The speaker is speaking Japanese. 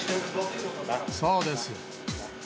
そうです。